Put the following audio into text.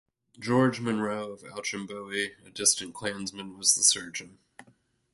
George Munro of Auchinbowie, a distant clansmen, was the surgeon.